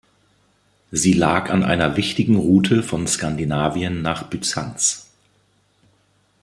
Sie lag an einer wichtigen Route von Skandinavien nach Byzanz.